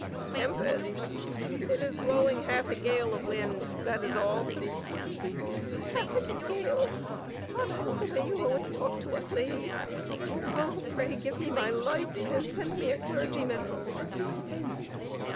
"Tempest? It is blowing half a gale of wind; that is all." "Half a gale! Ah, that is the way you always talk to us ladies. Oh, pray give me my light, and send me a clergyman!"